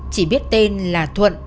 chỉ biết tên là thuận